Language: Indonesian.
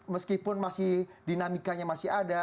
meskipun masih dinamikanya masih ada